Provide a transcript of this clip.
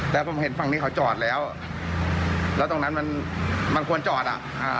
แต่ผมเห็นฝั่งนี้เขาจอดแล้วแล้วตรงนั้นมันมันควรจอดอ่ะอ่า